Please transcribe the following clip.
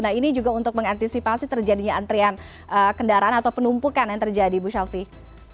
nah ini juga untuk mengantisipasi terjadinya antrian kendaraan atau penumpukan yang terjadi ibu shelfie